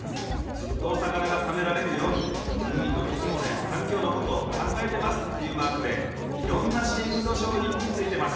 ・ずっとおさかながたべられるように海のいきものやかんきょうのことをかんがえてますっていうマークでいろんなシーフードしょうひんについてます。